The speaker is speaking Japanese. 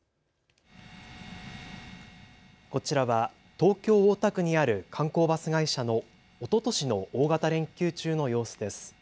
こちらは東京大田区にある観光バス会社のおととしの大型連休中の様子です。